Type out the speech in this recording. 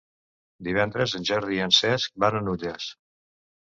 Divendres en Jordi i en Cesc van a Nulles.